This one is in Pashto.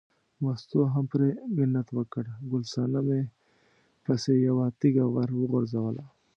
مستو هم پرې منت وکړ، ګل صنمې پسې یوه تیږه ور وغورځوله.